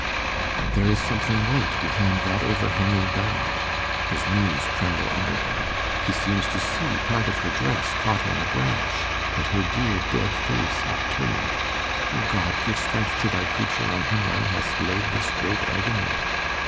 There is something white behind that overhanging bough. His knees tremble under him. He seems to see part of her dress caught on a branch, and her dear dead face upturned. O God, give strength to thy creature, on whom thou hast laid this great agony!